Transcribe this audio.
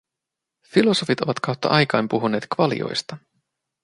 Filosofit ovat kautta aikain puhuneet kvalioista.